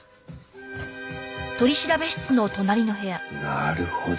なるほど。